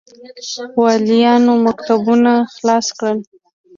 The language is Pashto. والیانو مکتوبونه خلاص کړل.